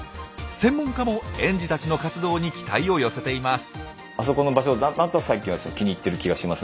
専門家も園児たちの活動に期待を寄せています。